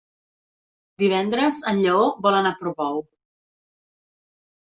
Divendres en Lleó vol anar a Portbou.